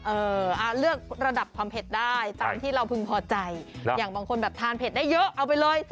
เลือกระดับความเผ็ดได้ตามที่เราพึงพอใจอย่างบางคนแบบทานเผ็ดได้เยอะเอาไปเลย